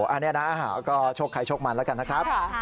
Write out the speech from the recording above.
อันนี้น่ะก็ชกไข่ชกหมันแล้วกันนะครับ